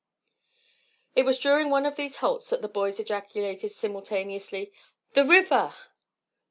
It was during one of these halts that the boys ejaculated simultaneously: "The river!"